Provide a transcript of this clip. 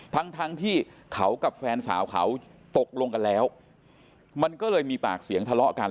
ทั้งทั้งที่เขากับแฟนสาวเขาตกลงกันแล้วมันก็เลยมีปากเสียงทะเลาะกัน